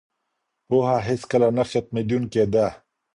پوهه هیڅکله نه ختميدونکي ده.